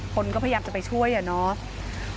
คนก็พยายามจะไปช่วยอะเนาะ